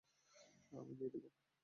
আমি দিয়ে দিবো।